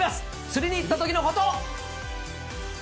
釣りに行ったときのこと。